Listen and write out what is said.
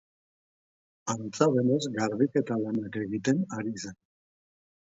Antza denez, garbiketa lanak egiten ari zen.